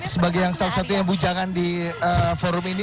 sebagai yang salah satunya bujangan di forum ini